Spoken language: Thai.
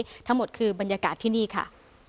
ทั้งหมดคือบรรยากาศที่นี่ค่ะ